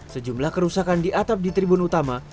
sejumlah kerusakan di atap di tribun utama